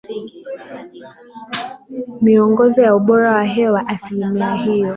miongozo ya ubora wa hewa Asilimia hiyo